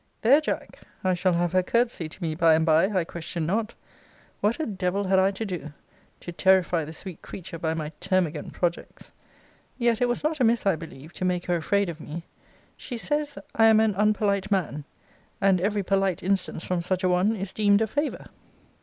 There, Jack! I shall have her courtesy to me by and by, I question not. What a devil had I to do, to terrify the sweet creature by my termagant projects! Yet it was not amiss, I believe, to make her afraid of me. She says, I am an unpolite man. And every polite instance from such a one is deemed a favour.